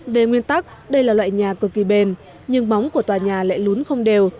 về nguyên tắc đây là loại nhà cực kỳ bền nhưng bóng của tòa nhà lại lún không đều